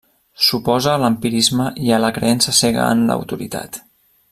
S'oposa a l'empirisme i a la creença cega en l'autoritat.